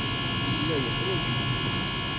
Yella yeḥwaj-ikem.